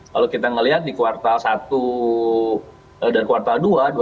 kalau kita melihat di kuartal satu dan kuartal dua